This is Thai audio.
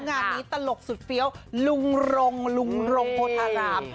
งานนี้ตลกสุดเฟี้ยวลุงรงลุงรงโพธาราม